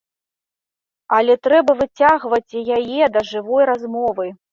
Але трэба выцягваць яе да жывой размовы.